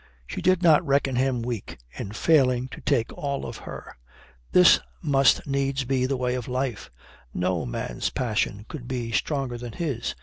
She did not reckon him weak in failing to take all of her. This must needs be the way of life. No man's passion could be stronger than his.